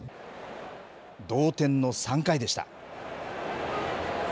同点の３回でした。